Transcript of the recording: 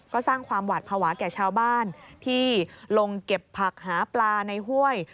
ก็สร้างความหวาดภาวะแก่ชาวบ้านที่ลงเก็บผักหาปลาในห้วย